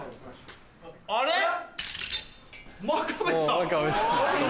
あれ⁉真壁さん！